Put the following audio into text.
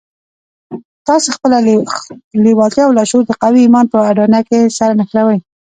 تاسې خپله لېوالتیا او لاشعور د قوي ايمان په اډانه کې سره نښلوئ.